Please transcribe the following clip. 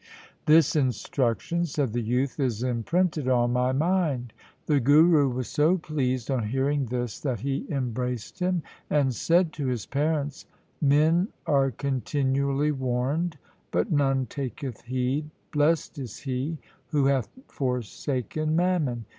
' This instruction,' said the youth, ' is imprinted on my mind.' The Guru was so pleased on hearing this that he embraced him, and said to his parents, ' Men are continually warned, but none taketh heed. Blest is he who hath forsaken mammon.